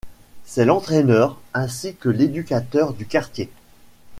C'est l'entraîneur ainsi que l'éducateur du quartier.